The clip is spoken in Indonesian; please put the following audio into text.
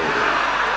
tidak ada kopi